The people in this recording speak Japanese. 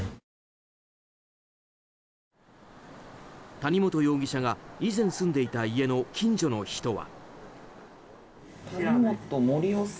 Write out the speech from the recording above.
谷本容疑者が以前住んでいた家の近所の人は。